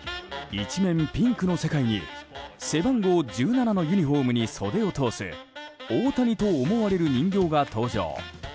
一面ピンクの世界に背番号１７のユニホームに袖を通す大谷と思われる人形が登場。